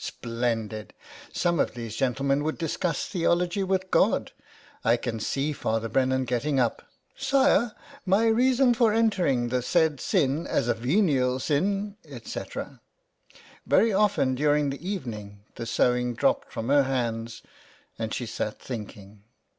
" Splendid ! Some of these gentlemen would discuss theology with God. I can see Father Brennan getting up :* Sire, my reason for entering the said sin as a venial sin, etc' " Very often during the evening the sewing dropped 369 2 A THE WILD GOOSE. from her hands, and she sat thinking.